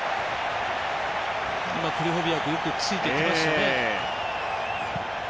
今、クリホビアクよくついていきましたね。